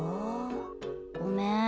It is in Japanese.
ごめん。